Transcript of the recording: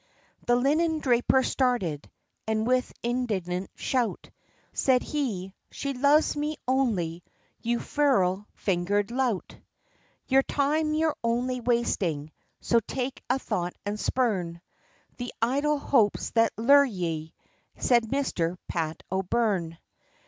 The linen draper started, and with indignant shout, Said he, "She loves me only, you ferule fingered lout, Your time you're only wasting, so take a thought, and spurn, The idle hopes, that lure ye," said Mister Pat O'Byrne.